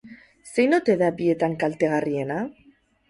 Zein ote da bietan kaltegarriena?